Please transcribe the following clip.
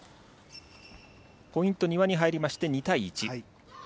ポイント、丹羽に入りまして２対１。